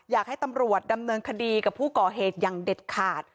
อยากให้ตำรวจดำเนินคดีกับผู้ก่อเหตุอย่างเด็ดขาด